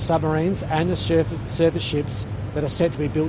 dan kapal yang diberikan untuk dibuat